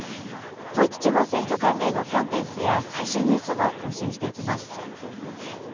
統一地方選挙関連のコンテンツや最新ニュースも更新していきます。